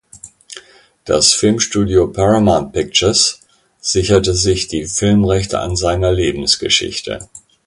Das Filmstudio Paramount Pictures sicherte sich die Filmrechte an seiner Lebensgeschichte.